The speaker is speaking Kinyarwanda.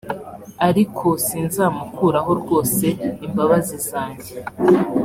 ariko sinzamukuraho rwose imbabazi zanjye